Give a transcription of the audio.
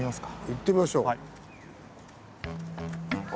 行ってみましょう。